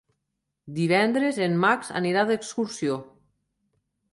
Divendres en Max anirà d'excursió.